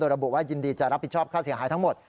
ระบุว่ายินดีจะรับผิดชอบค่าเสียหายทั้งหมด